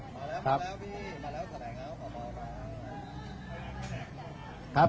มาแล้วมาแล้วพี่มาแล้วคำแพงแล้วขอบความความนะครับ